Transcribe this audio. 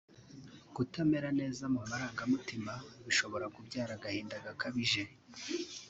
kutamera neza mu marangamutima bishobora kubyara agahinda gakabije